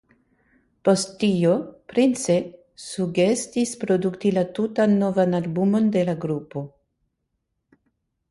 Post tio Prince sugestis produkti la tutan novan albumon de la grupo.